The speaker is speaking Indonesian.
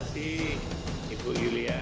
terima kasih ibu ilya